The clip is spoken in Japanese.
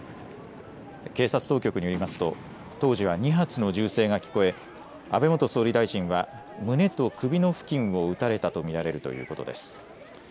警察当局によりますと当時は２発の銃声が聞こえ安倍元総理大臣は胸と首の付近を撃たれたと見られるということです。